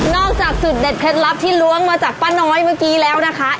จากสูตรเด็ดเคล็ดลับที่ล้วงมาจากป้าน้อยเมื่อกี้แล้วนะคะ